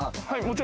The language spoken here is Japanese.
はい。